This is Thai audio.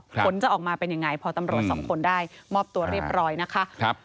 ผลจะออกมาเป็นยังไงพอตำรวจสองคนได้มอบตัวเรียบร้อยนะคะ